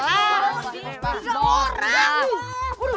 aduh mati nih